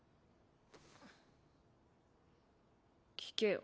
聞けよ。